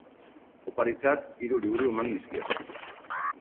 Oparitzat hiru liburu eman nizkion.